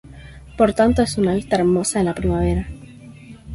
Por tanto, es una vista hermosa en primavera.